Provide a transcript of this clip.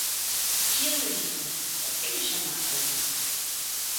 Y él le dijo: ¿Por qué me llamas bueno?